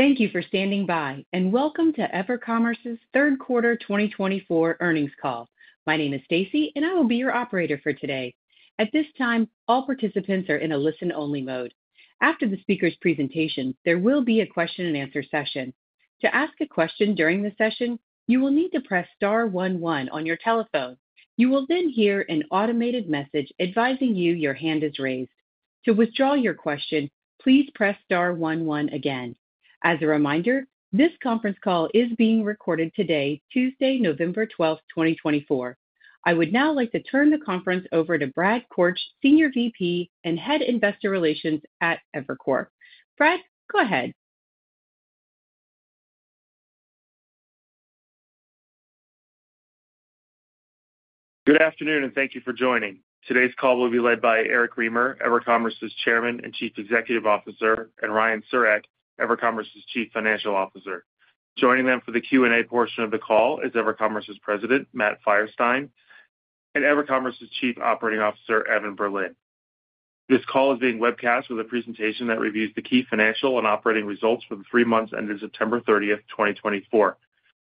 Thank you for standing by, and welcome to EverCommerce's third quarter 2024 earnings call. My name is Stacey, and I will be your operator for today. At this time, all participants are in a listen-only mode. After the speaker's presentation, there will be a question-and-answer session. To ask a question during the session, you will need to press star one one on your telephone. You will then hear an automated message advising you your hand is raised. To withdraw your question, please press Star one one again. As a reminder, this conference call is being recorded today, Tuesday, November 12th, 2024. I would now like to turn the conference over to Brad Korch, Senior VP and Head Investor Relations at EverCommerce. Brad, go ahead. Good afternoon, and thank you for joining. Today's call will be led by Eric Remer, EverCommerce's Chairman and Chief Executive Officer, and Ryan Siurek, EverCommerce's Chief Financial Officer. Joining them for the Q&A portion of the call is EverCommerce's President, Matt Feierstein, and EverCommerce's Chief Operating Officer, Evan Berlin. This call is being webcast with a presentation that reviews the key financial and operating results for the three months ending September 30th, 2024.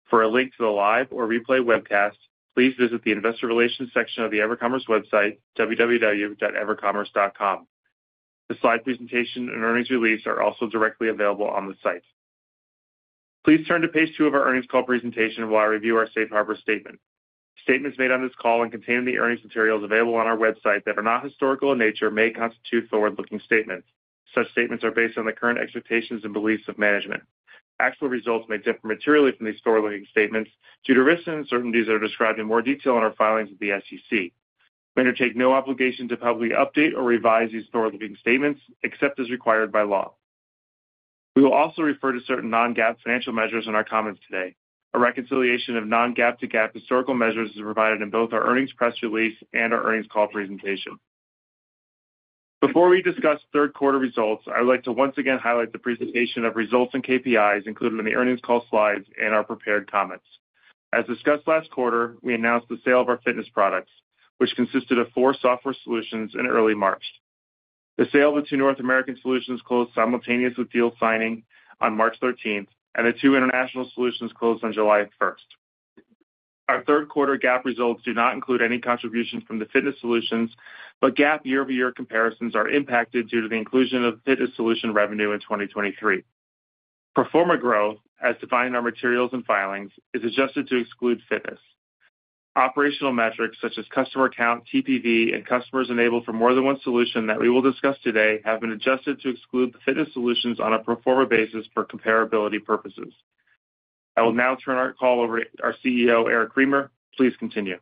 For a link to the live or replay webcast, please visit the Investor Relations section of the EverCommerce website, www.evercommerce.com. The slide presentation and earnings release are also directly available on the site. Please turn to page two of our earnings call presentation while I review our safe harbor statement. Statements made on this call and containing the earnings materials available on our website that are not historical in nature may constitute forward-looking statements. Such statements are based on the current expectations and beliefs of management. Actual results may differ materially from these forward-looking statements due to risks and uncertainties that are described in more detail in our filings with the SEC. We undertake no obligation to publicly update or revise these forward-looking statements except as required by law. We will also refer to certain non-GAAP financial measures in our comments today. A reconciliation of non-GAAP to GAAP historical measures is provided in both our earnings press release and our earnings call presentation. Before we discuss third quarter results, I would like to once again highlight the presentation of results and KPIs included in the earnings call slides and our prepared comments. As discussed last quarter, we announced the sale of our fitness products, which consisted of four software solutions in early March. The sale of the two North American solutions closed simultaneously with deal signing on March 13th, and the two international solutions closed on July 1st. Our third quarter GAAP results do not include any contribution from the fitness solutions, but GAAP year-over-year comparisons are impacted due to the inclusion of fitness solution revenue in 2023. Pro forma growth, as defined in our materials and filings, is adjusted to exclude fitness. Operational metrics such as customer count, TPV, and customers enabled for more than one solution that we will discuss today have been adjusted to exclude the fitness solutions on a pro forma basis for comparability purposes. I will now turn our call over to our CEO, Eric Remer. Please continue.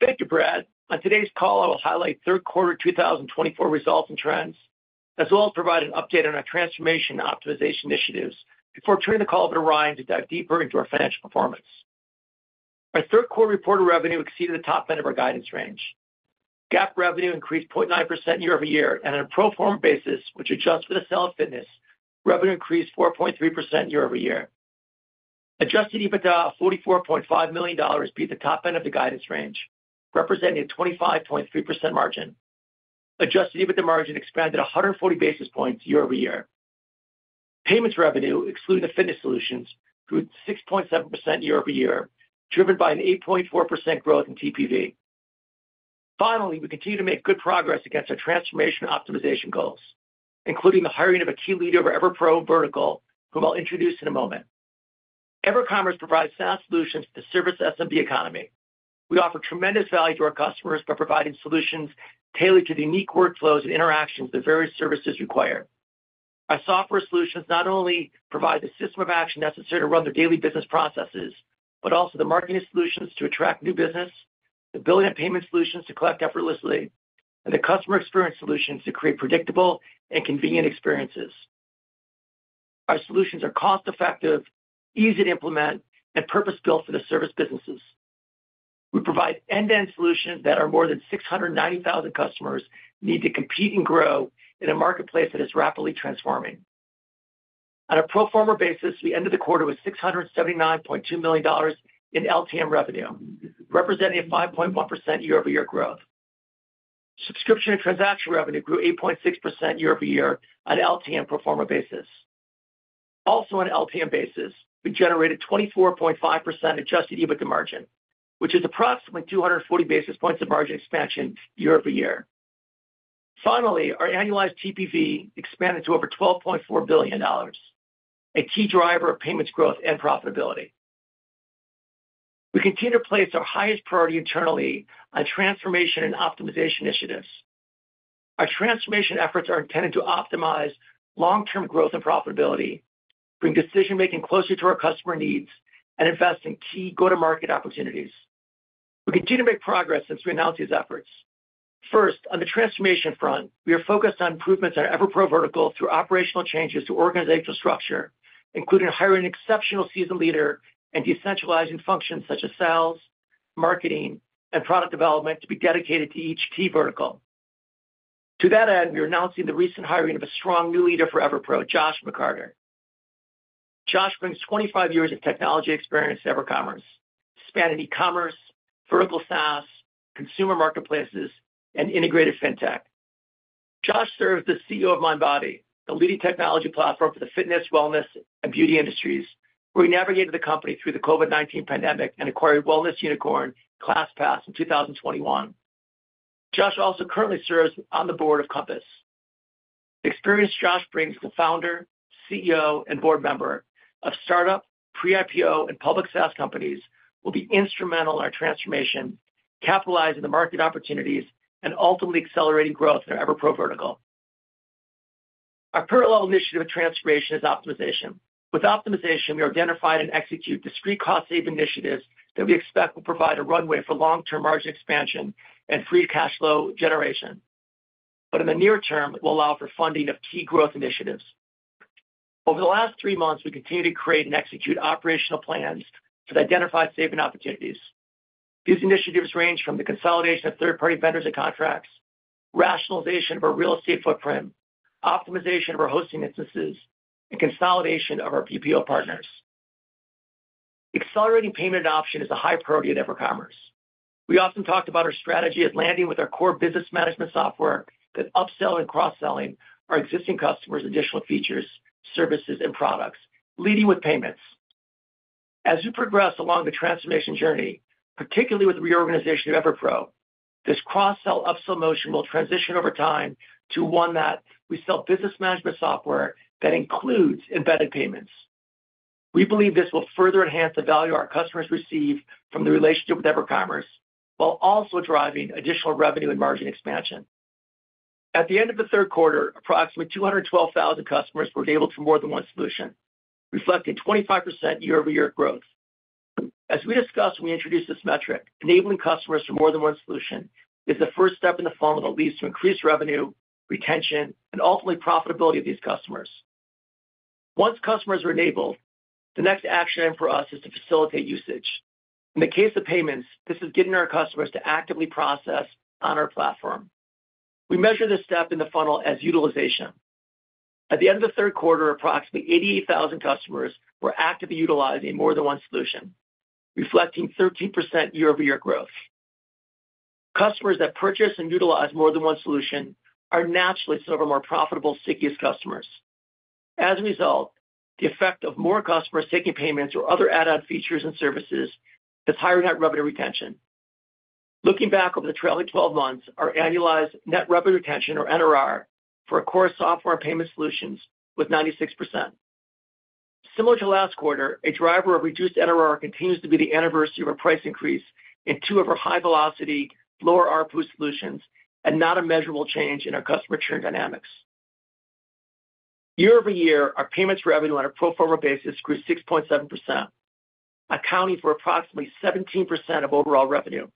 Thank you, Brad. On today's call, I will highlight third quarter 2024 results and trends, as well as provide an update on our transformation and optimization initiatives before turning the call over to Ryan to dive deeper into our financial performance. Our third quarter reported revenue exceeded the top end of our guidance range. GAAP revenue increased 0.9% year-over-year, and on a pro forma basis, which adjusts for the sale of fitness, revenue increased 4.3% year-over-year. Adjusted EBITDA of $44.5 million beat the top end of the guidance range, representing a 25.3% margin. Adjusted EBITDA margin expanded 140 basis points year-over-year. Payments revenue, excluding the fitness solutions, grew 6.7% year-over-year, driven by an 8.4% growth in TPV. Finally, we continue to make good progress against our transformation optimization goals, including the hiring of a key leader of our EverPro vertical, whom I'll introduce in a moment. EverCommerce provides sound solutions to service the SMB economy. We offer tremendous value to our customers by providing solutions tailored to the unique workflows and interactions that various services require. Our software solutions not only provide the system of action necessary to run their daily business processes, but also the marketing solutions to attract new business, the billing and payment solutions to collect effortlessly, and the customer experience solutions to create predictable and convenient experiences. Our solutions are cost-effective, easy to implement, and purpose-built for the service businesses. We provide end-to-end solutions that our more than 690,000 customers need to compete and grow in a marketplace that is rapidly transforming. On a pro forma basis, we ended the quarter with $679.2 million in LTM revenue, representing a 5.1% year-over-year growth. Subscription and transaction revenue grew 8.6% year-over-year on an LTM pro forma basis. Also, on an LTM basis, we generated 24.5% adjusted EBITDA margin, which is approximately 240 basis points of margin expansion year-over-year. Finally, our annualized TPV expanded to over $12.4 billion, a key driver of payments growth and profitability. We continue to place our highest priority internally on transformation and optimization initiatives. Our transformation efforts are intended to optimize long-term growth and profitability, bring decision-making closer to our customer needs, and invest in key go-to-market opportunities. We continue to make progress since we announced these efforts. First, on the transformation front, we are focused on improvements on EverPro vertical through operational changes to organizational structure, including hiring an exceptional seasoned leader and decentralizing functions such as sales, marketing, and product development to be dedicated to each key vertical. To that end, we are announcing the recent hiring of a strong new leader for EverPro, Josh McCarter. Josh brings 25 years of technology experience to EverCommerce, spanning e-commerce, vertical SaaS, consumer marketplaces, and integrated fintech. Josh serves as the CEO of Mindbody, a leading technology platform for the fitness, wellness, and beauty industries, where he navigated the company through the COVID-19 pandemic and acquired Wellness Unicorn ClassPass in 2021. Josh also currently serves on the board of Compass. The experience Josh brings as a founder, CEO, and board member of startup, pre-IPO, and public SaaS companies will be instrumental in our transformation, capitalizing the market opportunities and ultimately accelerating growth in our EverPro vertical. Our parallel initiative of transformation is optimization. With optimization, we identify and execute discrete cost-saving initiatives that we expect will provide a runway for long-term margin expansion and free cash flow generation. But in the near term, it will allow for funding of key growth initiatives. Over the last three months, we continue to create and execute operational plans to identify savings opportunities. These initiatives range from the consolidation of third-party vendors and contracts, rationalization of our real estate footprint, optimization of our hosting instances, and consolidation of our BPO partners. Accelerating payment adoption is a high priority at EverCommerce. We often talked about our strategy as landing with our core business management software that upsells and cross-sells our existing customers additional features, services, and products, leading with payments. As we progress along the transformation journey, particularly with the reorganization of EverPro, this cross-sell-upsell motion will transition over time to one that we sell business management software that includes embedded payments. We believe this will further enhance the value our customers receive from the relationship with EverCommerce while also driving additional revenue and margin expansion. At the end of the third quarter, approximately 212,000 customers were enabled for more than one solution, reflecting 25% year-over-year growth. As we discussed when we introduced this metric, enabling customers for more than one solution is the first step in the funnel that leads to increased revenue, retention, and ultimately profitability of these customers. Once customers are enabled, the next action for us is to facilitate usage. In the case of payments, this is getting our customers to actively process on our platform. We measure this step in the funnel as utilization. At the end of the third quarter, approximately 88,000 customers were actively utilizing more than one solution, reflecting 13% year-over-year growth. Customers that purchase and utilize more than one solution are naturally some of our more profitable, stickiest customers. As a result, the effect of more customers taking payments or other add-on features and services is higher net revenue retention. Looking back over the trailing 12 months, our annualized net revenue retention, or NRR, for our core software and payment solutions was 96%. Similar to last quarter, a driver of reduced NRR continues to be the anniversary of our price increase in two of our high-velocity, lower ARFU solutions and not a measurable change in our customer churn dynamics. Year-over-year, our payments revenue on a pro forma basis grew 6.7%, accounting for approximately 17% of overall revenue.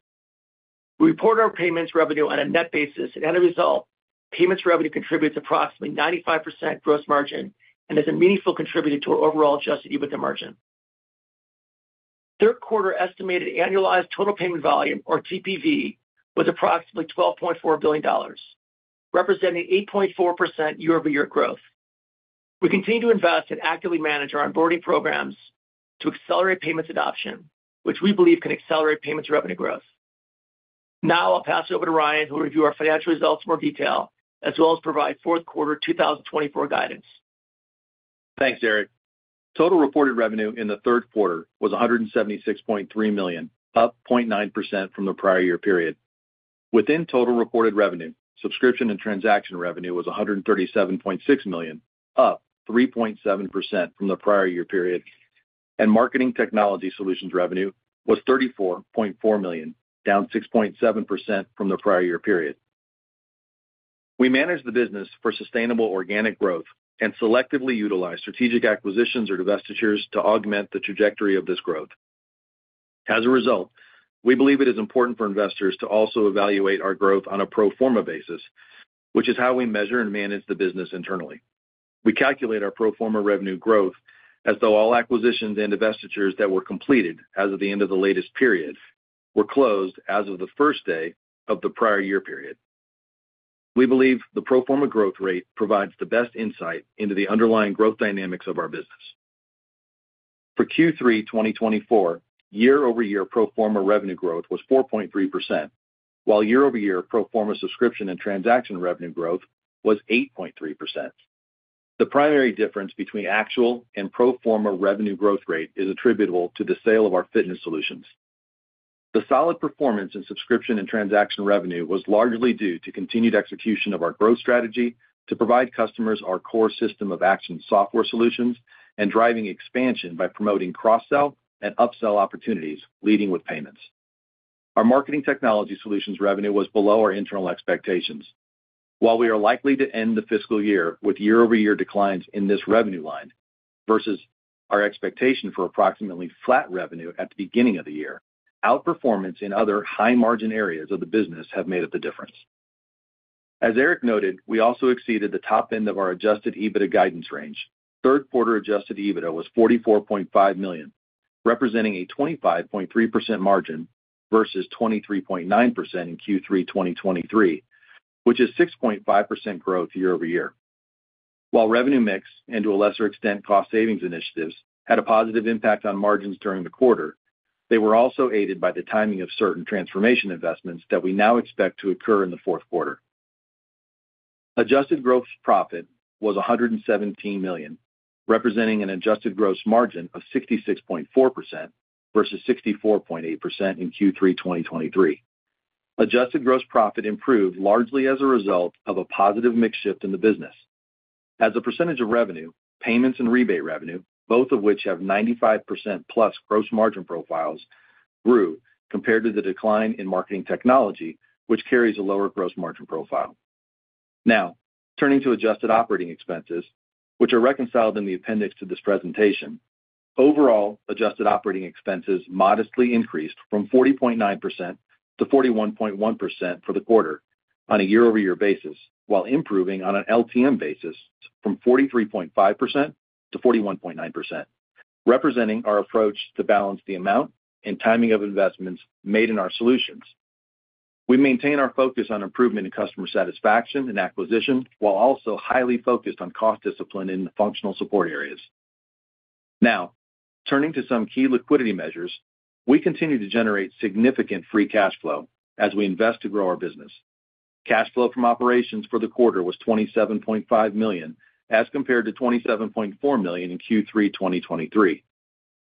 We report our payments revenue on a net basis, and as a result, payments revenue contributes approximately 95% gross margin and is a meaningful contributor to our overall Adjusted EBITDA margin. Third quarter estimated annualized total payment volume, or TPV, was approximately $12.4 billion, representing 8.4% year-over-year growth. We continue to invest and actively manage our onboarding programs to accelerate payments adoption, which we believe can accelerate payments revenue growth. Now I'll pass it over to Ryan, who will review our financial results in more detail, as well as provide fourth quarter 2024 guidance. Thanks, Eric. Total reported revenue in the third quarter was $176.3 million, up 0.9% from the prior year period. Within total reported revenue, subscription and transaction revenue was $137.6 million, up 3.7% from the prior year period, and marketing technology solutions revenue was $34.4 million, down 6.7% from the prior year period. We manage the business for sustainable organic growth and selectively utilize strategic acquisitions or divestitures to augment the trajectory of this growth. As a result, we believe it is important for investors to also evaluate our growth on a pro forma basis, which is how we measure and manage the business internally. We calculate our pro forma revenue growth as though all acquisitions and divestitures that were completed as of the end of the latest period were closed as of the first day of the prior year period. We believe the pro forma growth rate provides the best insight into the underlying growth dynamics of our business. For Q3 2024, year-over-year pro forma revenue growth was 4.3%, while year-over-year pro forma subscription and transaction revenue growth was 8.3%. The primary difference between actual and pro forma revenue growth rate is attributable to the sale of our fitness solutions. The solid performance in subscription and transaction revenue was largely due to continued execution of our growth strategy to provide customers our core system of action software solutions and driving expansion by promoting cross-sell and upsell opportunities, leading with payments. Our marketing technology solutions revenue was below our internal expectations. While we are likely to end the fiscal year with year-over-year declines in this revenue line versus our expectation for approximately flat revenue at the beginning of the year, outperformance in other high-margin areas of the business has made up the difference. As Eric noted, we also exceeded the top end of our Adjusted EBITDA guidance range. Third quarter Adjusted EBITDA was $44.5 million, representing a 25.3% margin versus 23.9% in Q3 2023, which is 6.5% growth year-over-year. While revenue mix and, to a lesser extent, cost savings initiatives had a positive impact on margins during the quarter, they were also aided by the timing of certain transformation investments that we now expect to occur in the fourth quarter. Adjusted Gross Profit was $117 million, representing an Adjusted Gross Margin of 66.4% versus 64.8% in Q3 2023. Adjusted Gross Profit improved largely as a result of a positive mix shift in the business. As a percentage of revenue, payments and rebate revenue, both of which have 95% plus gross margin profiles, grew compared to the decline in marketing technology, which carries a lower gross margin profile. Now, turning to adjusted operating expenses, which are reconciled in the appendix to this presentation, overall adjusted operating expenses modestly increased from 40.9%-41.1% for the quarter on a year-over-year basis, while improving on an LTM basis from 43.5%-41.9%, representing our approach to balance the amount and timing of investments made in our solutions. We maintain our focus on improvement in customer satisfaction and acquisition, while also highly focused on cost discipline in the functional support areas. Now, turning to some key liquidity measures, we continue to generate significant free cash flow as we invest to grow our business. Cash flow from operations for the quarter was $27.5 million as compared to $27.4 million in Q3 2023.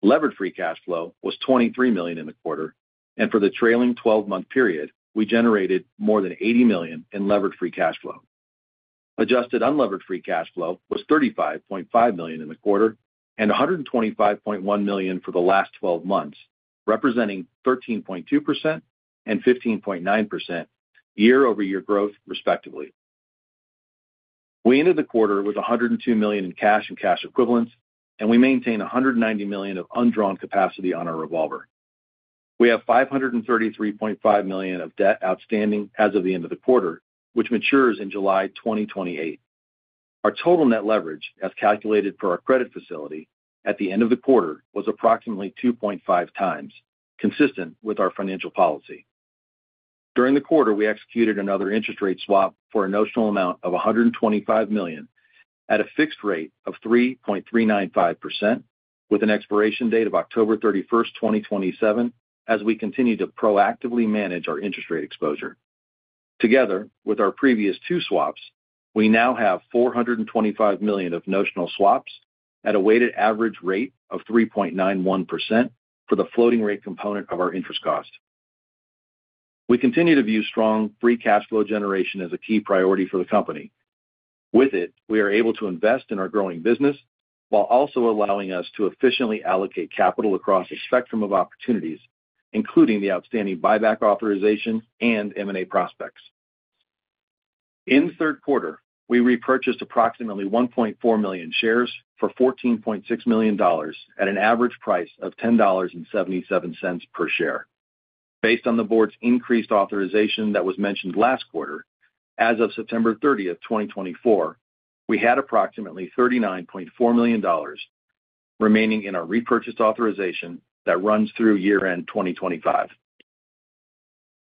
Levered free cash flow was $23 million in the quarter, and for the trailing 12-month period, we generated more than $80 million in levered free cash flow. Adjusted unlevered free cash flow was $35.5 million in the quarter and $125.1 million for the last 12 months, representing 13.2% and 15.9% year-over-year growth, respectively. We ended the quarter with $102 million in cash and cash equivalents, and we maintain $190 million of undrawn capacity on our revolver. We have $533.5 million of debt outstanding as of the end of the quarter, which matures in July 2028. Our total net leverage, as calculated for our credit facility at the end of the quarter, was approximately 2.5 times, consistent with our financial policy. During the quarter, we executed another interest rate swap for a notional amount of $125 million at a fixed rate of 3.395%, with an expiration date of October 31, 2027, as we continue to proactively manage our interest rate exposure. Together with our previous two swaps, we now have $425 million of notional swaps at a weighted average rate of 3.91% for the floating rate component of our interest cost. We continue to view strong free cash flow generation as a key priority for the company. With it, we are able to invest in our growing business while also allowing us to efficiently allocate capital across a spectrum of opportunities, including the outstanding buyback authorization and M&A prospects. In the third quarter, we repurchased approximately 1.4 million shares for $14.6 million at an average price of $10.77 per share. Based on the board's increased authorization that was mentioned last quarter, as of September 30, 2024, we had approximately $39.4 million remaining in our repurchase authorization that runs through year-end 2025.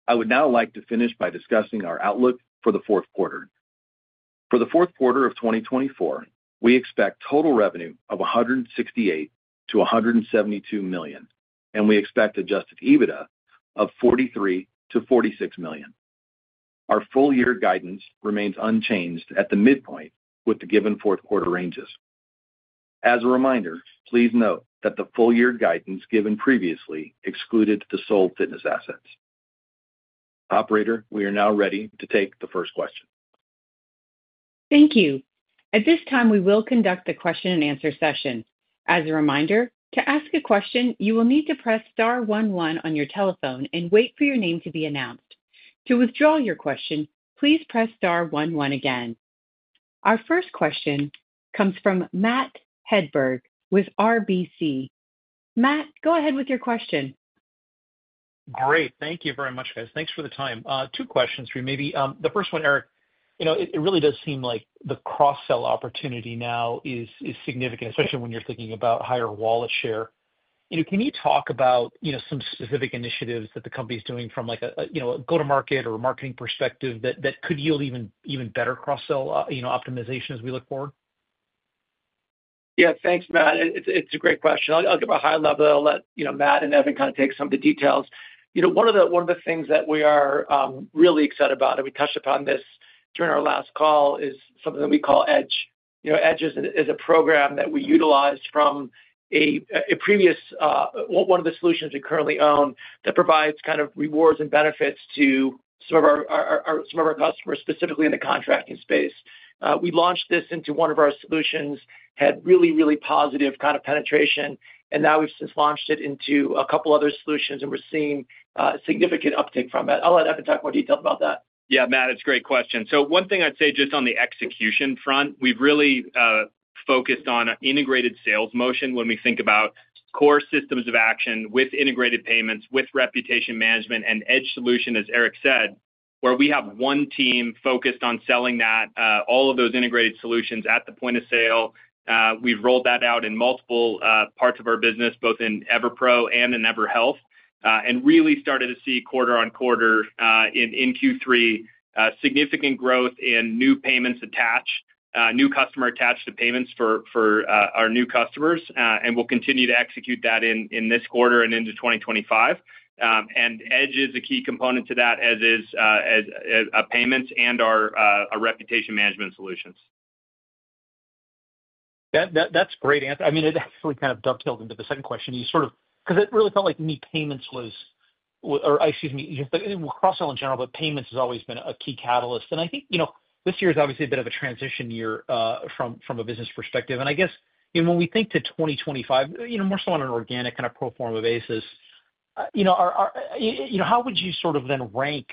I would now like to finish by discussing our outlook for the fourth quarter. For the fourth quarter of 2024, we expect total revenue of $168-$172 million, and we expect Adjusted EBITDA of $43-$46 million. Our full-year guidance remains unchanged at the midpoint with the given fourth quarter ranges. As a reminder, please note that the full-year guidance given previously excluded the sole fitness assets. Operator, we are now ready to take the first question. Thank you. At this time, we will conduct the question-and-answer session. As a reminder, to ask a question, you will need to press Star one one on your telephone and wait for your name to be announced. To withdraw your question, please press Star one one again. Our first question comes from Matt Hedberg with RBC. Matt, go ahead with your question. Great. Thank you very much, guys. Thanks for the time. Two questions for you, maybe. The first one, Eric, it really does seem like the cross-sell opportunity now is significant, especially when you're thinking about higher wallet share. Can you talk about some specific initiatives that the company is doing from a go-to-market or a marketing perspective that could yield even better cross-sell optimization as we look forward? Yeah, thanks, Matt. It's a great question. I'll give a high level. I'll let Matt and Evan kind of take some of the details. One of the things that we are really excited about, and we touched upon this during our last call, is something that we call Edge. Edge is a program that we utilized from a previous one of the solutions we currently own that provides kind of rewards and benefits to some of our customers, specifically in the contracting space. We launched this into one of our solutions, had really, really positive kind of penetration, and now we've since launched it into a couple of other solutions, and we're seeing significant uptake from it. I'll let Evan talk more detail about that. Yeah, Matt, it's a great question. So one thing I'd say just on the execution front, we've really focused on an integrated sales motion when we think about core systems of action with integrated payments, with reputation management and Edge solution, as Eric said, where we have one team focused on selling all of those integrated solutions at the point of sale. We've rolled that out in multiple parts of our business, both in EverPro and in EverHealth, and really started to see quarter on quarter in Q3 significant growth in new payments attached, new customer attached to payments for our new customers, and we'll continue to execute that in this quarter and into 2025, and Edge is a key component to that, as are payments and our reputation management solutions. That's a great answer. I mean, it actually kind of dovetailed into the second question because it really felt like any payments was—or excuse me, cross-sell in general, but payments has always been a key catalyst. And I think this year is obviously a bit of a transition year from a business perspective. And I guess when we think to 2025, more so on an organic kind of pro forma basis, how would you sort of then rank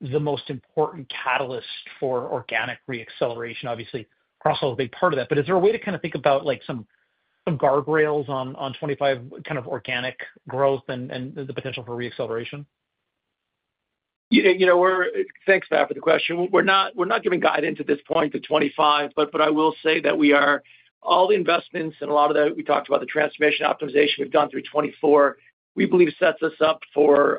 the most important catalyst for organic reacceleration? Obviously, cross-sell is a big part of that, but is there a way to kind of think about some guardrails on '25 kind of organic growth and the potential for reacceleration? Thanks, Matt, for the question. We're not giving guidance at this point to 2025, but I will say that all the investments and a lot of the, we talked about the transformation optimization we've done through 2024, we believe sets us up for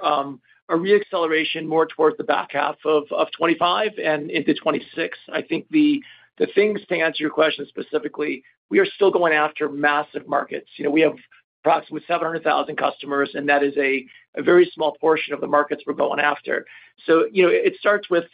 a reacceleration more towards the back half of 2025 and into 2026. I think the things, to answer your question specifically, we are still going after massive markets. We have approximately 700,000 customers, and that is a very small portion of the markets we're going after. So it starts with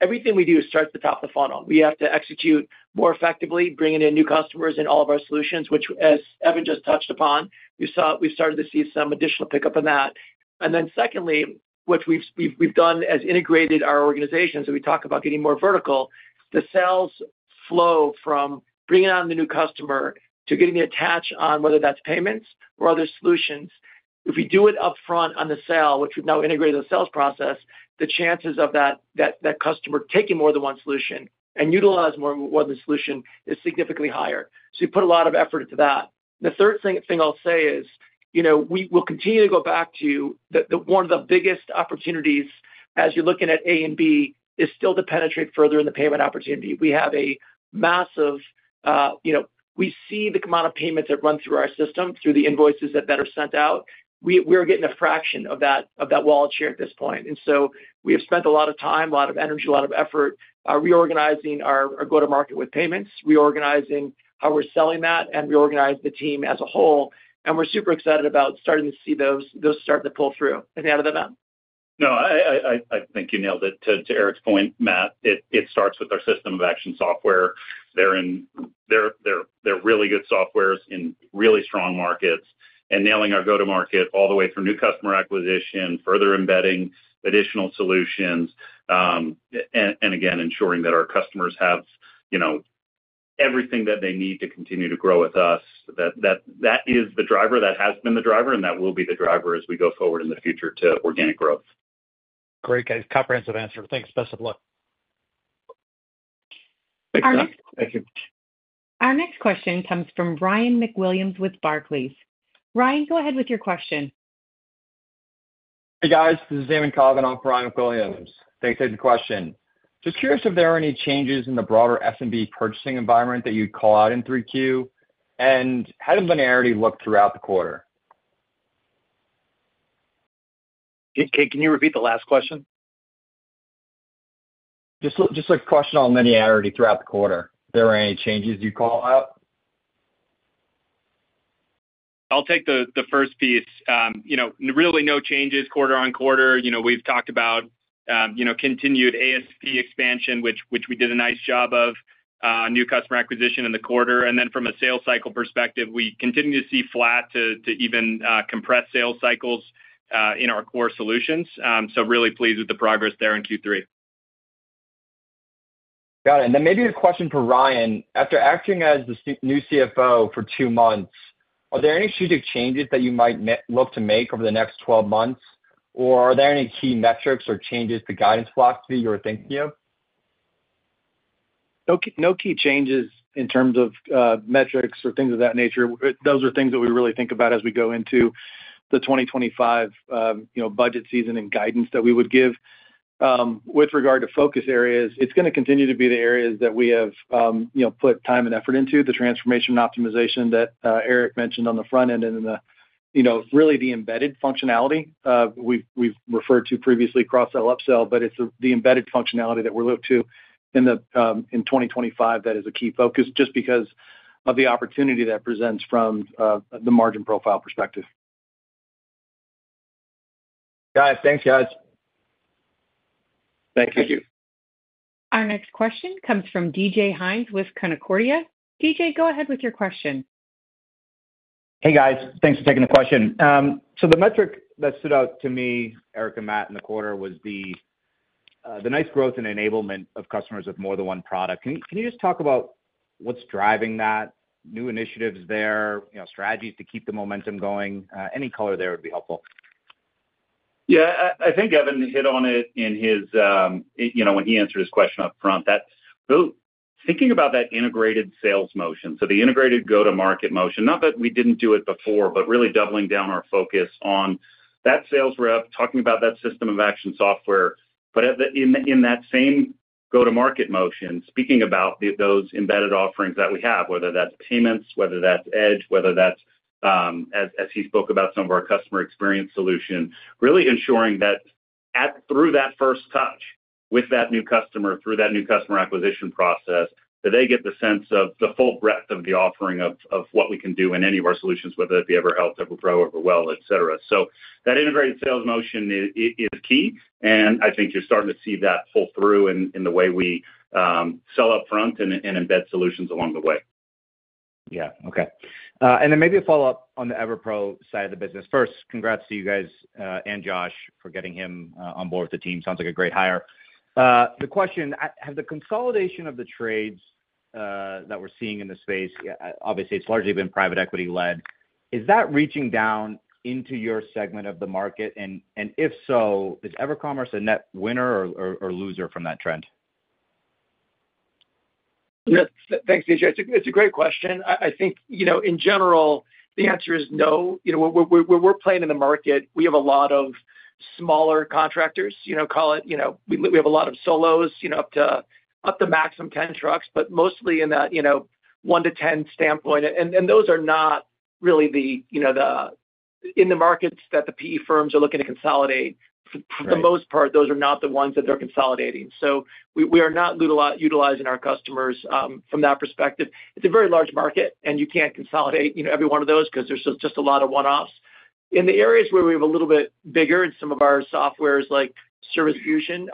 everything we do at the top of the funnel. We have to execute more effectively, bringing in new customers in all of our solutions, which, as Evan just touched upon, we've started to see some additional pickup in that. And then secondly, what we've done is integrated our organizations, and we talk about getting more vertical, the sales flow from bringing on the new customer to getting the attach on whether that's payments or other solutions. If we do it upfront on the sale, which we've now integrated the sales process, the chances of that customer taking more than one solution and utilizing more than one solution is significantly higher. So we put a lot of effort into that. The third thing I'll say is we'll continue to go back to one of the biggest opportunities as you're looking at A and B is still to penetrate further in the payment opportunity. We have a massive. We see the amount of payments that run through our system, through the invoices that are sent out. We're getting a fraction of that wallet share at this point. And so we have spent a lot of time, a lot of energy, a lot of effort reorganizing our go-to-market with payments, reorganizing how we're selling that, and reorganizing the team as a whole. And we're super excited about starting to see those start to pull through. Any other thoughts, Matt? No, I think you nailed it. To Eric's point, Matt, it starts with our System of Action software. They're really good softwares in really strong markets and nailing our go-to-market all the way through new customer acquisition, further embedding additional solutions, and again, ensuring that our customers have everything that they need to continue to grow with us. That is the driver. That has been the driver, and that will be the driver as we go forward in the future to organic growth. Great. Comprehensive answer. Thanks. Best of luck. Thanks, Matt. Thank you. Our next question comes from Ryan McWilliams with Barclays. Ryan, go ahead with your question. Hey, guys. This is Evan Cogan. I'm for Ryan McWilliams. Thanks for the question. Just curious if there are any changes in the broader SMB purchasing environment that you'd call out in 3Q and how does linearity look throughout the quarter? Can you repeat the last question? Just a question on linearity throughout the quarter. If there are any changes, you call out. I'll take the first piece. Really, no changes quarter on quarter. We've talked about continued ASP expansion, which we did a nice job of, new customer acquisition in the quarter and then from a sales cycle perspective, we continue to see flat to even compressed sales cycles in our core solutions so really pleased with the progress there in Q3. Got it. And then maybe a question for Ryan. After acting as the new CFO for two months, are there any strategic changes that you might look to make over the next 12 months, or are there any key metrics or changes to guidance philosophy you're thinking of? No key changes in terms of metrics or things of that nature. Those are things that we really think about as we go into the 2025 budget season and guidance that we would give. With regard to focus areas, it's going to continue to be the areas that we have put time and effort into, the transformation optimization that Eric mentioned on the front end and really the embedded functionality we've referred to previously, cross-sell, upsell, but it's the embedded functionality that we're looking to in 2025 that is a key focus just because of the opportunity that presents from the margin profile perspective. Guys, thanks, guys. Thank you. Our next question comes from DJ Hynes with Canaccord Genuity. DJ, go ahead with your question. Hey, guys. Thanks for taking the question. So the metric that stood out to me, Eric and Matt, in the quarter was the nice growth and enablement of customers with more than one product. Can you just talk about what's driving that? New initiatives there, strategies to keep the momentum going? Any color there would be helpful. Yeah. I think Evan hit on it when he answered his question upfront. Thinking about that integrated sales motion, so the integrated go-to-market motion, not that we didn't do it before, but really doubling down our focus on that sales rep, talking about that system of action software. But in that same go-to-market motion, speaking about those embedded offerings that we have, whether that's payments, whether that's Edge, whether that's, as he spoke about, some of our customer experience solution, really ensuring that through that first touch with that new customer, through that new customer acquisition process, that they get the sense of the full breadth of the offering of what we can do in any of our solutions, whether that be EverHealth, EverPro, EverWell, etc. So that integrated sales motion is key, and I think you're starting to see that pull through in the way we sell upfront and embed solutions along the way. Yeah. Okay. And then maybe a follow-up on the EverPro side of the business. First, congrats to you guys and Josh for getting him on board with the team. Sounds like a great hire. The question, have the consolidation of the trades that we're seeing in the space, obviously, it's largely been private equity-led. Is that reaching down into your segment of the market? And if so, is EverCommerce a net winner or loser from that trend? Thanks, DJ. It's a great question. I think, in general, the answer is no. Where we're playing in the market, we have a lot of smaller contractors, call it. We have a lot of solos, up to maximum 10 trucks, but mostly in that one to 10 standpoint, and those are not really in the markets that the PE firms are looking to consolidate. For the most part, those are not the ones that they're consolidating. So we are not utilizing our customers from that perspective. It's a very large market, and you can't consolidate every one of those because there's just a lot of one-offs. In the areas where we have a little bit bigger and some of our software is like Service Fusion,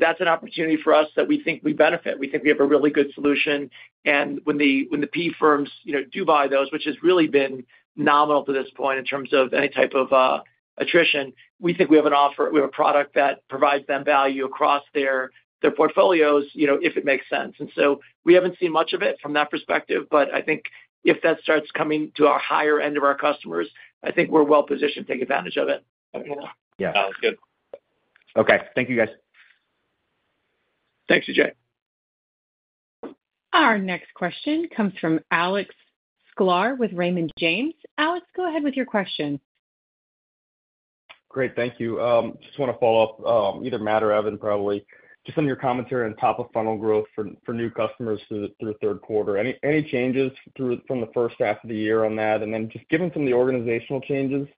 that's an opportunity for us that we think we benefit. We think we have a really good solution. When the PE firms do buy those, which has really been nominal to this point in terms of any type of attrition, we think we have an offer, we have a product that provides them value across their portfolios if it makes sense, and so we haven't seen much of it from that perspective, but I think if that starts coming to our higher end of our customers, I think we're well-positioned to take advantage of it. Sounds good. Okay. Thank you, guys. Thanks, DJ. Our next question comes from Alex Sklar with Raymond James. Alex, go ahead with your question. Great. Thank you. Just want to follow up, either Matt or Evan probably, just some of your commentary on top of funnel growth for new customers through third quarter. Any changes from the first half of the year on that? And then just given some of the organizational changes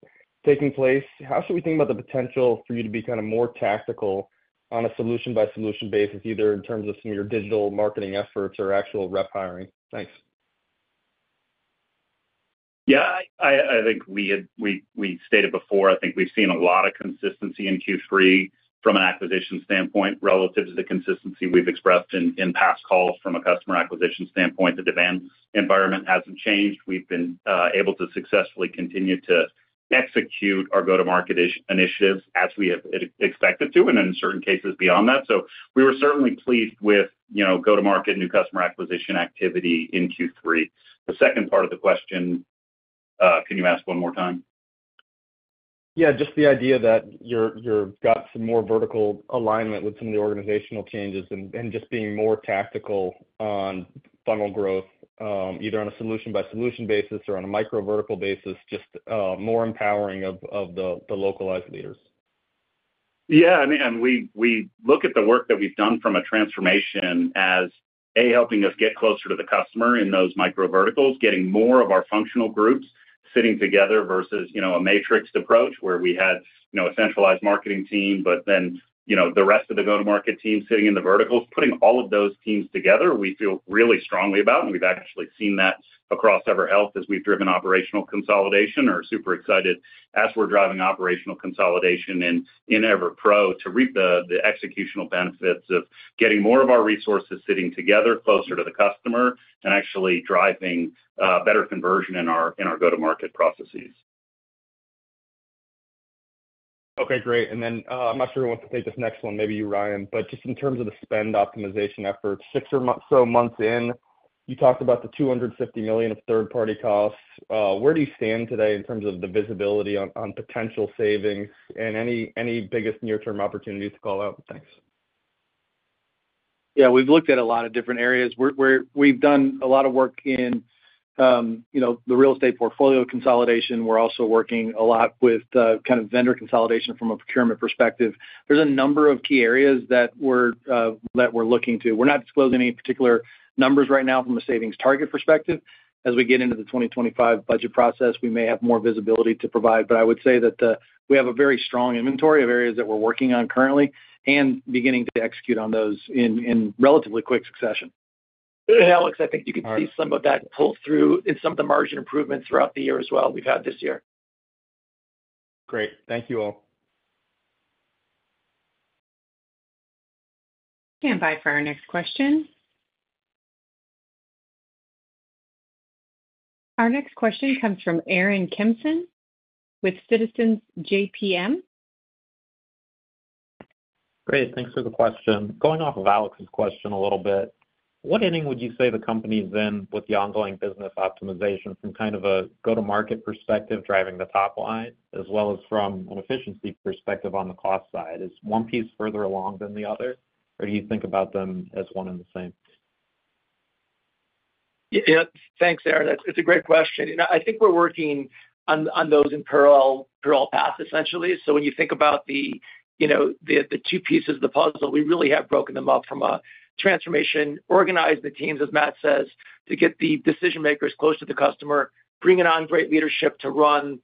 taking place, how should we think about the potential for you to be kind of more tactical on a solution-by-solution basis, either in terms of some of your digital marketing efforts or actual rep hiring? Thanks. Yeah. I think we stated before, I think we've seen a lot of consistency in Q3 from an acquisition standpoint relative to the consistency we've expressed in past calls from a customer acquisition standpoint. The demand environment hasn't changed. We've been able to successfully continue to execute our go-to-market initiatives as we have expected to, and in certain cases beyond that. So we were certainly pleased with go-to-market, new customer acquisition activity in Q3. The second part of the question, can you ask one more time? Yeah. Just the idea that you've got some more vertical alignment with some of the organizational changes and just being more tactical on funnel growth, either on a solution-by-solution basis or on a micro vertical basis, just more empowering of the localized leaders. Yeah. And we look at the work that we've done from a transformation as, A, helping us get closer to the customer in those micro verticals, getting more of our functional groups sitting together versus a matrixed approach where we had a centralized marketing team, but then the rest of the go-to-market team sitting in the verticals, putting all of those teams together. We feel really strongly about. And we've actually seen that across EverHealth as we've driven operational consolidation. We're super excited as we're driving operational consolidation in EverPro to reap the executional benefits of getting more of our resources sitting together closer to the customer and actually driving better conversion in our go-to-market processes. Okay. Great. And then I'm not sure who wants to take this next one, maybe you, Ryan, but just in terms of the spend optimization efforts, six or so months in, you talked about the $250 million of third-party costs. Where do you stand today in terms of the visibility on potential savings and any biggest near-term opportunities to call out? Thanks. Yeah. We've looked at a lot of different areas. We've done a lot of work in the real estate portfolio consolidation. We're also working a lot with kind of vendor consolidation from a procurement perspective. There's a number of key areas that we're looking to. We're not disclosing any particular numbers right now from a savings target perspective. As we get into the 2025 budget process, we may have more visibility to provide, but I would say that we have a very strong inventory of areas that we're working on currently and beginning to execute on those in relatively quick succession, and Alex, I think you can see some of that pull through in some of the margin improvements throughout the year as well as we've had this year. Great. Thank you all. Stand by for our next question. Our next question comes from Aaron Kimpson with Citizens JMP. Great. Thanks for the question. Going off of Alex's question a little bit, what inning would you say the company's in with the ongoing business optimization from kind of a go-to-market perspective driving the top line as well as from an efficiency perspective on the cost side? Is one piece further along than the other, or do you think about them as one and the same? Thanks, Aaron. It's a great question. I think we're working on those in parallel paths, essentially. So when you think about the two pieces of the puzzle, we really have broken them up from a transformation, organize the teams, as Matt says, to get the decision-makers close to the customer, bringing on great leadership to run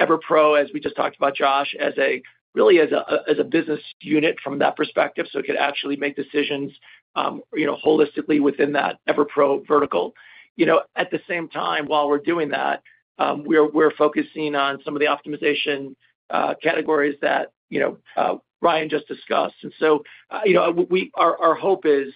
EverPro, as we just talked about, Josh, really as a business unit from that perspective so it could actually make decisions holistically within that EverPro vertical. At the same time, while we're doing that, we're focusing on some of the optimization categories that Ryan just discussed. And so our hope is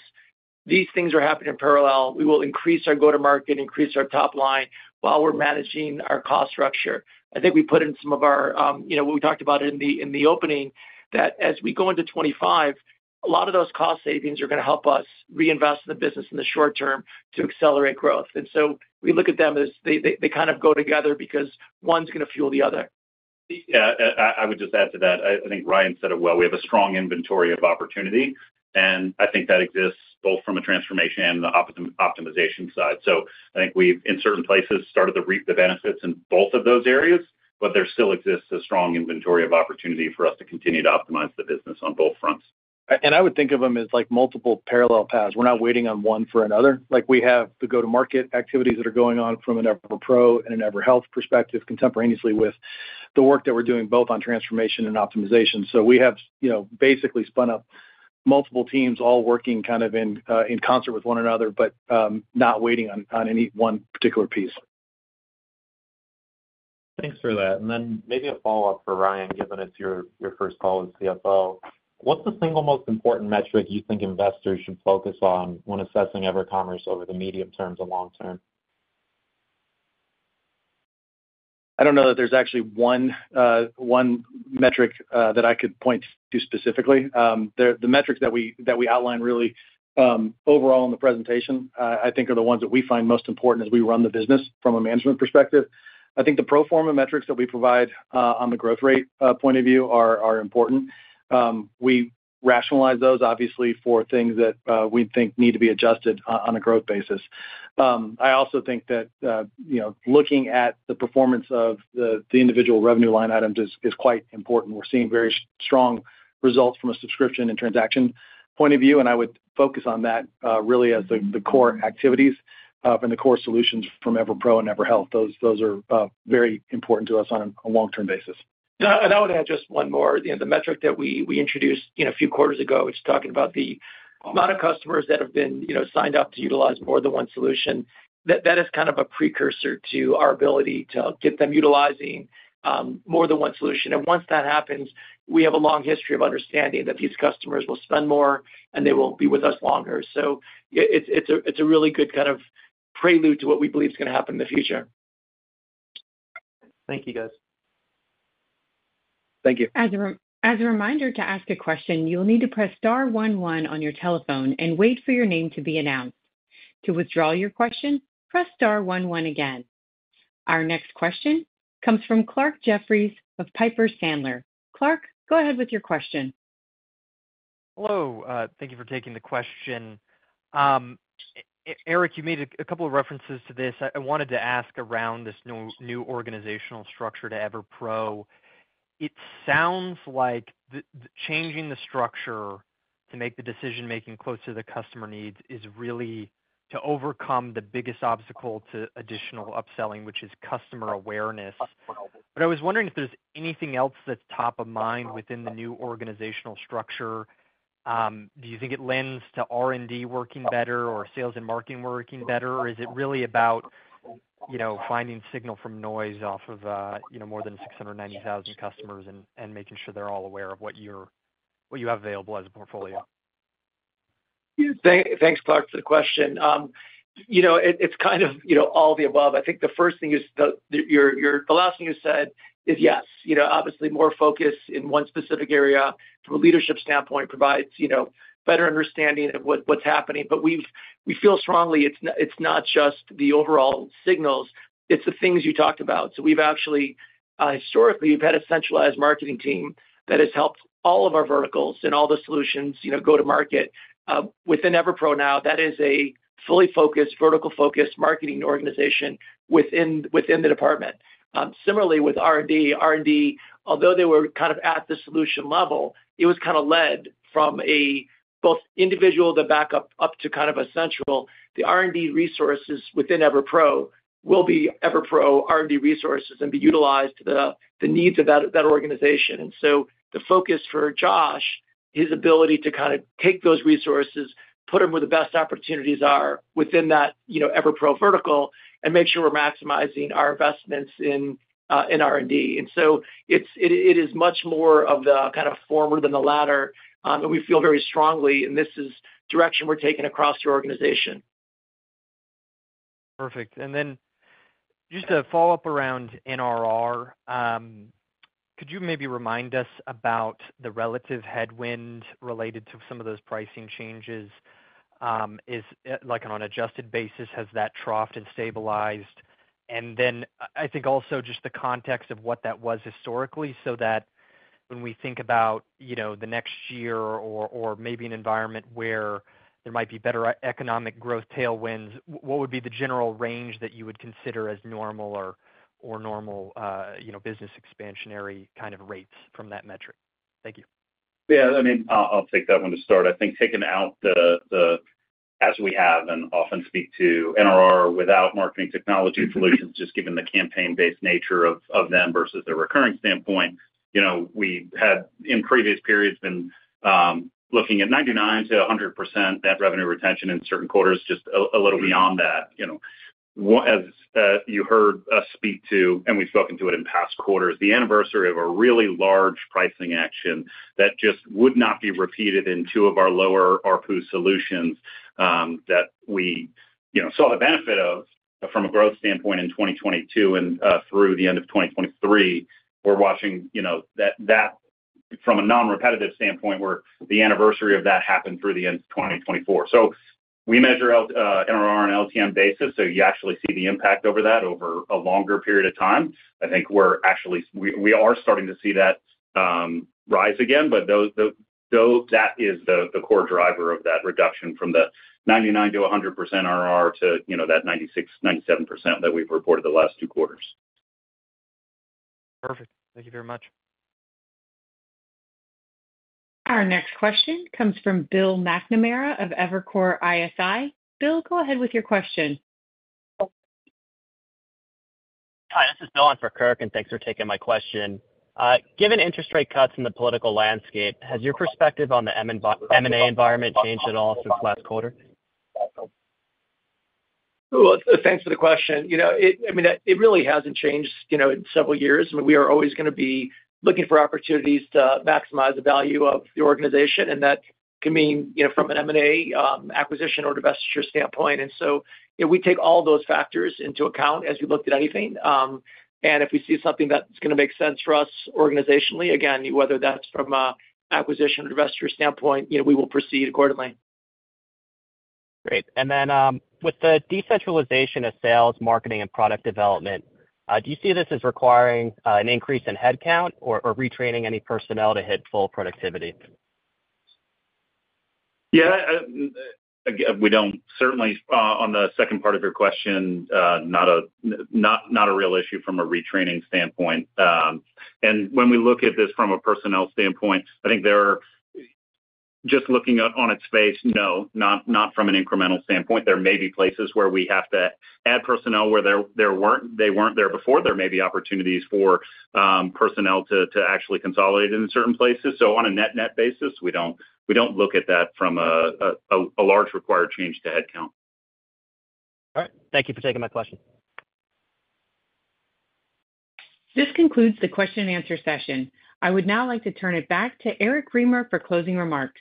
these things are happening in parallel. We will increase our go-to-market, increase our top line while we're managing our cost structure. I think we put in some of our what we talked about in the opening, that as we go into 2025, a lot of those cost savings are going to help us reinvest in the business in the short term to accelerate growth, and so we look at them as they kind of go together because one's going to fuel the other. Yeah. I would just add to that. I think Ryan said it well. We have a strong inventory of opportunity, and I think that exists both from a transformation and the optimization side. So I think we've, in certain places, started to reap the benefits in both of those areas, but there still exists a strong inventory of opportunity for us to continue to optimize the business on both fronts. I would think of them as multiple parallel paths. We're not waiting on one for another. We have the go-to-market activities that are going on from an EverPro and an EverHealth perspective contemporaneously with the work that we're doing both on transformation and optimization. We have basically spun up multiple teams all working kind of in concert with one another, but not waiting on any one particular piece. Thanks for that. And then maybe a follow-up for Ryan, given it's your first call as CFO. What's the single most important metric you think investors should focus on when assessing EverCommerce over the medium term to long term? I don't know that there's actually one metric that I could point to specifically. The metrics that we outlined really overall in the presentation, I think, are the ones that we find most important as we run the business from a management perspective. I think the Pro Forma metrics that we provide on the growth rate point of view are important. We rationalize those, obviously, for things that we think need to be adjusted on a growth basis. I also think that looking at the performance of the individual revenue line items is quite important. We're seeing very strong results from a subscription and transaction point of view, and I would focus on that really as the core activities and the core solutions from EverPro and EverHealth. Those are very important to us on a long-term basis. And I would add just one more. The metric that we introduced a few quarters ago, which is talking about the amount of customers that have been signed up to utilize more than one solution, that is kind of a precursor to our ability to get them utilizing more than one solution, and once that happens, we have a long history of understanding that these customers will spend more, and they will be with us longer, so it's a really good kind of prelude to what we believe is going to happen in the future. Thank you, guys. Thank you. As a reminder to ask a question, you'll need to press Star one one on your telephone and wait for your name to be announced. To withdraw your question, press Star one one again. Our next question comes from Clark Jeffries of Piper Sandler. Clark, go ahead with your question. Hello. Thank you for taking the question. Eric, you made a couple of references to this. I wanted to ask around this new organizational structure to EverPro. It sounds like changing the structure to make the decision-making closer to the customer needs is really to overcome the biggest obstacle to additional upselling, which is customer awareness. But I was wondering if there's anything else that's top of mind within the new organizational structure. Do you think it lends to R&D working better or sales and marketing working better? Or is it really about finding signal from noise off of more than 690,000 customers and making sure they're all aware of what you have available as a portfolio? Thanks, Clark, for the question. It's kind of all the above. I think the first thing is the last thing you said is yes. Obviously, more focus in one specific area from a leadership standpoint provides better understanding of what's happening. But we feel strongly it's not just the overall signals. It's the things you talked about. So we've actually, historically, we've had a centralized marketing team that has helped all of our verticals and all the solutions go to market. Within EverPro now, that is a fully focused, vertical-focused marketing organization within the department. Similarly, with R&D, R&D, although they were kind of at the solution level, it was kind of led from both individual to backup up to kind of a central. The R&D resources within EverPro will be EverPro R&D resources and be utilized to the needs of that organization. And so the focus for Josh, his ability to kind of take those resources, put them where the best opportunities are within that EverPro vertical, and make sure we're maximizing our investments in R&D. And so it is much more of the kind of former than the latter. And we feel very strongly, and this is the direction we're taking across the organization. Perfect. And then just to follow up around NRR, could you maybe remind us about the relative headwind related to some of those pricing changes? On an adjusted basis, has that troughed and stabilized? And then I think also just the context of what that was historically so that when we think about the next year or maybe an environment where there might be better economic growth tailwinds, what would be the general range that you would consider as normal or normal business expansionary kind of rates from that metric? Thank you. Yeah. I mean, I'll take that one to start. I think taking out the as we have and often speak to NRR without marketing technology solutions, just given the campaign-based nature of them versus the recurring standpoint, we had in previous periods been looking at 99%-100% net revenue retention in certain quarters, just a little beyond that. As you heard us speak to, and we've spoken to it in past quarters, the anniversary of a really large pricing action that just would not be repeated in two of our lower RPU solutions that we saw the benefit of from a growth standpoint in 2022 and through the end of 2023. We're watching that from a non-repetitive standpoint where the anniversary of that happened through the end of 2024, so we measure out NRR on an LTM basis. You actually see the impact over that a longer period of time. I think we're actually starting to see that rise again, but that is the core driver of that reduction from the 99%-100% RR to that 96%-97% that we've reported the last two quarters. Perfect. Thank you very much. Our next question comes from Bill McNamara of Evercore ISI. Bill, go ahead with your question. Hi. This is Bill on for Kirk, and thanks for taking my question. Given interest rate cuts in the political landscape, has your perspective on the M&A environment changed at all since last quarter? Thanks for the question. I mean, it really hasn't changed in several years. I mean, we are always going to be looking for opportunities to maximize the value of the organization, and that can mean from an M&A acquisition or divestiture standpoint. And so we take all those factors into account as we look at anything. And if we see something that's going to make sense for us organizationally, again, whether that's from an acquisition or divestiture standpoint, we will proceed accordingly. Great. And then with the decentralization of sales, marketing, and product development, do you see this as requiring an increase in headcount or retraining any personnel to hit full productivity? Yeah. We don't. Certainly, on the second part of your question, not a real issue from a retraining standpoint. And when we look at this from a personnel standpoint, I think they're just looking on its face, no, not from an incremental standpoint. There may be places where we have to add personnel where they weren't there before. There may be opportunities for personnel to actually consolidate in certain places. So on a net-net basis, we don't look at that from a large required change to headcount. All right. Thank you for taking my question. This concludes the question-and-answer session. I would now like to turn it back to Eric Remer for closing remarks.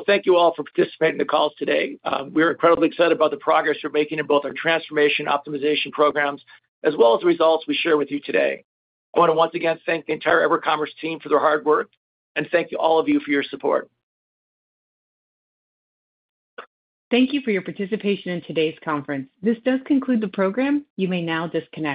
Thank you all for participating in the calls today. We are incredibly excited about the progress we're making in both our transformation optimization programs as well as the results we share with you today. I want to once again thank the entire EverCommerce team for their hard work and thank all of you for your support. Thank you for your participation in today's conference. This does conclude the program. You may now disconnect.